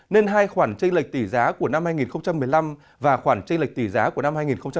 nên hai khoản trinh lệch tỷ giá của năm hai nghìn một mươi năm và khoản trinh lệch tỷ giá của năm hai nghìn một mươi bảy